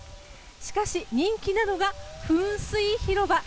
しかし、人気なのが噴水広場。